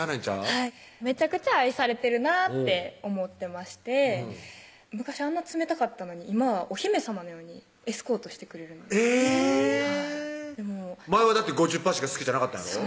はいめちゃくちゃ愛されてるなって思ってまして昔あんな冷たかったのに今はお姫さまのようにエスコートしてくれるえぇ前はだって５０％しか好きじゃなかったんやろ？